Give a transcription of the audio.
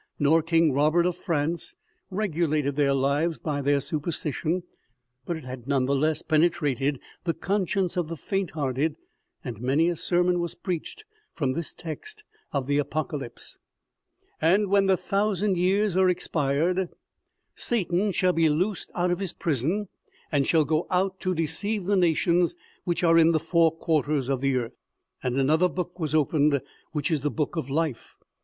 nor King Robert of France, regulated their lives by their superstition, but it had none the less penetrated the conscience of the faint hearted, and many a sermon was preached from this text of the Apocalypse : "And when the thousand years are ex pired, Satan shall be loosed out of his prison, and shall go out to de ceive the nations which are in the four quarters of the earth ... and another book was opened, which is the Book of Life